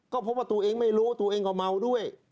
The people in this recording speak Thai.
ก็พบว่าตัวเองไม่รู้ตัวเองก็เมาด้วย